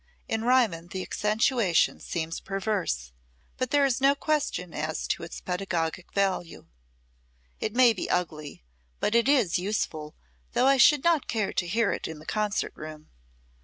In Riemann the accentuation seems perverse, but there is no question as to its pedagogic value. It may be ugly, but it is useful though I should not care to hear it in the concert room.